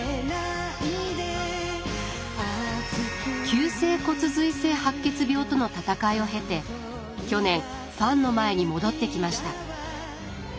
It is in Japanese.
急性骨髄性白血病との闘いを経て去年ファンの前に戻ってきました。